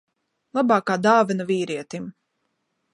Labākā dāvana vīrietim.